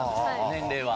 年齢は。